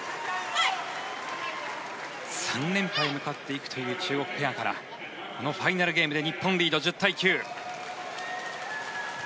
３連覇へ向かっていくという中国ペアからこのファイナルゲームで日本リード、１０対９。